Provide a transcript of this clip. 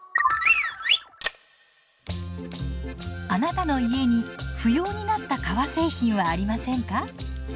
あなたの家に不要になった革製品はありませんか？